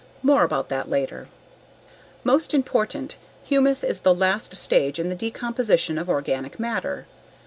More about that later. Most important, humus is the last stage in the decomposition of organic matter.